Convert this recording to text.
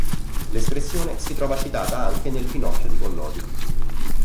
L'espressione si trova citata anche nel "Pinocchio" di Collodi.